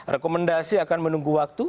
rekomendasi akan menunggu waktu